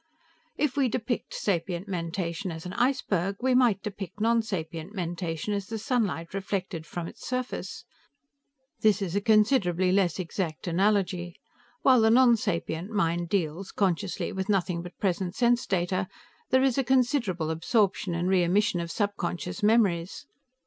"If we depict sapient mentation as an iceberg, we might depict nonsapient mentation as the sunlight reflected from its surface. This is a considerably less exact analogy; while the nonsapient mind deals, consciously, with nothing but present sense data, there is a considerable absorption and re emission of subconscious memories.